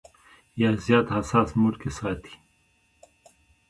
يا زيات حساس موډ کښې ساتي -